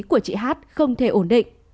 của chị hát không thể ổn định